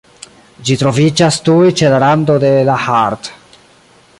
Ĝi troviĝas tuj ĉe la rando de la Haardt.